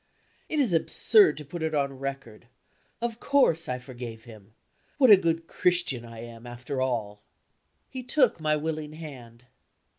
It is absurd to put it on record. Of course, I forgave him. What a good Christian I am, after all! He took my willing hand.